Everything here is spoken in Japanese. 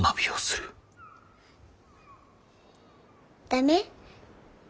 ダメ？